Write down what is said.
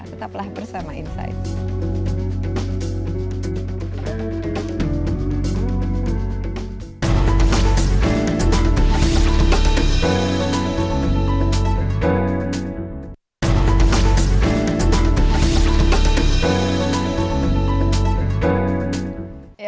tetaplah bersama insight